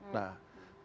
nah masalah ini